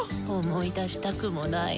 思い出したくもない。